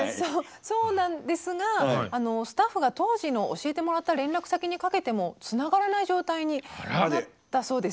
そうなんですがスタッフが当時の教えてもらった連絡先にかけてもつながらない状態になったそうです。